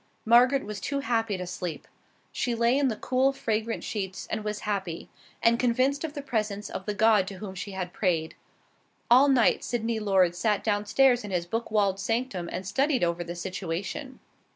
Margaret was too happy to sleep. She lay in the cool, fragrant sheets and was happy, and convinced of the presence of the God to whom she had prayed. All night Sydney Lord sat down stairs in his book walled sanctum and studied over the situation.